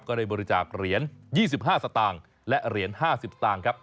ก็ได้บริจาคเหรียญ๒๕สตางค์และเหรียญ๕๐สตางค์ครับ